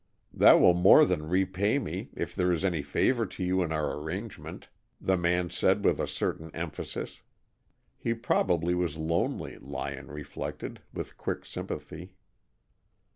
"That will more than repay me, if there is any favor to you in our arrangement," the man said with a certain emphasis. He probably was lonely, Lyon reflected, with quick sympathy.